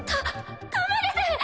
ダダメです！